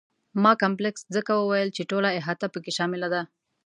ما کمپلکس ځکه وویل چې ټوله احاطه په کې شامله ده.